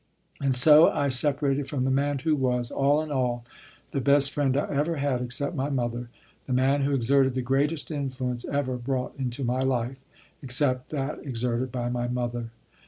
And so I separated from the man who was, all in all, the best friend I ever had, except my mother, the man who exerted the greatest influence ever brought into my life, except that exerted by my mother.